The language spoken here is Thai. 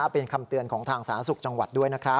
เป็นคำเตือนของทางสาธารณสุขจังหวัดด้วยนะครับ